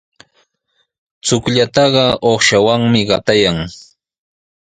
Chukllataqa uqshawanmi qatayan.